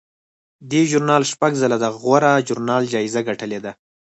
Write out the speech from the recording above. دې ژورنال شپږ ځله د غوره ژورنال جایزه ګټلې ده.